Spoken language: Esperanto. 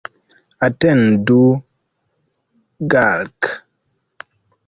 Atendu, Galka!